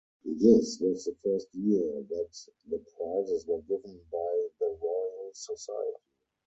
This was the first year that the prizes were given by the Royal Society.